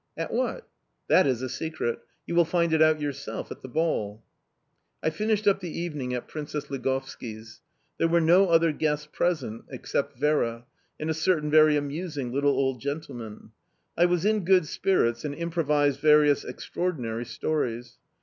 "At what?" "That is a secret... You will find it out yourself, at the ball." I finished up the evening at Princess Ligovski's; there were no other guests present except Vera and a certain very amusing, little old gentleman. I was in good spirits, and improvised various extraordinary stories.